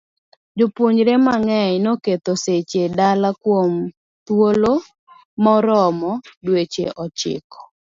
Jopuonjre mang'eny noketho seche dala kuom thuolo maromo dweche ochiko.